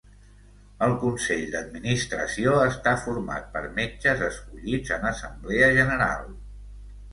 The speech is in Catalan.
El Consell d'Administració està format per metges escollits en Assemblea General.